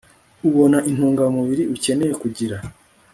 ubona intungamubiri ukeneye kugira